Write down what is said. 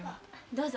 どうぞ。